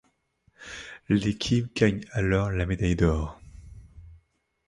L'équipe gagne alors la médaille d'or.